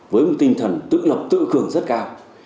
với một tinh thần tự lập tự cường rất cao